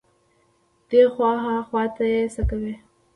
دې خوا ها خوا ته يې څکوي.